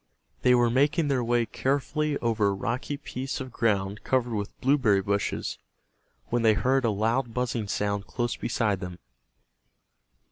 They were making their way carefully over a rocky piece of ground covered with blueberry bushes, when they heard a loud buzzing sound close beside them.